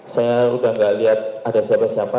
saya udah gak lihat ada siapa siapa